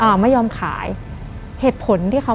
ทำไมเขาถึงจะมาอยู่ที่นั่น